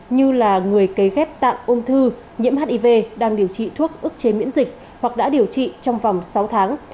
như là người kế ghép tạng ôm thư nhiễm hiv đang điều trị thuốc ước chế miễn dịch hoặc đã điều trị trong vòng sáu tháng